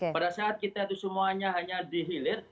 pada saat kita itu semuanya hanya dihilir